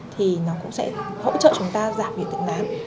thì nó cũng sẽ hỗ trợ chúng ta giảm biệt tình nám